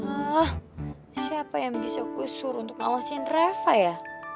ah siapa yang bisa kusur untuk ngawasin reva ya